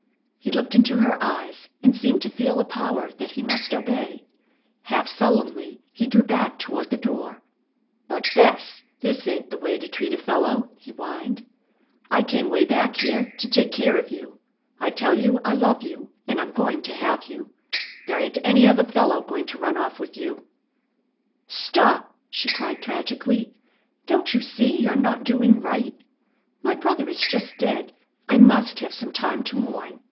He looked into her eyes, and seemed to feel a power that he must obey. Half sullenly he drew back toward the door. "But, Bess, this ain't the way to treat a fellow," he whined. "I came way back here to take care of you. I tell you I love you, and I'm going to have you. There ain't any other fellow going to run off with you " "Stop!" she cried tragically. "Don't you see you're not doing right? My brother is just dead. I must have some time to mourn.